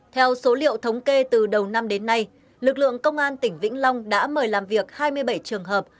theo số liệu thống kê từ đầu năm đến nay lực lượng công an tỉnh vĩnh long đã mời làm việc hai mươi bảy trường hợp